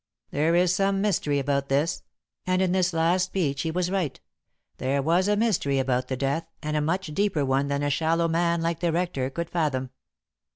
There is some mystery about this," and in this last speech he was right. There was a mystery about the death, and a much deeper one than a shallow man like the rector could fathom.